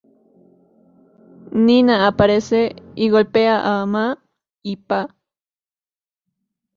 Nina aparece y golpea a Ma y Pa.